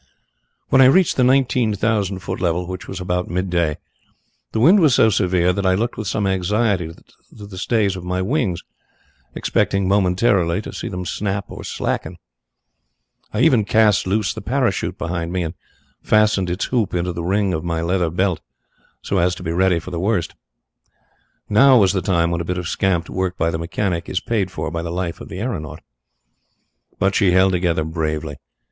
"When I reached the nineteen thousand foot level, which was about midday, the wind was so severe that I looked with some anxiety to the stays of my wings, expecting momentarily to see them snap or slacken. I even cast loose the parachute behind me, and fastened its hook into the ring of my leathern belt, so as to be ready for the worst. Now was the time when a bit of scamped work by the mechanic is paid for by the life of the aeronaut. But she held together bravely.